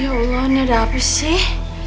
ya allah ini ada apa sih